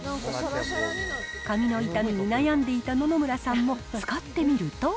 髪の傷みに悩んでいた野々村さんも、使ってみると。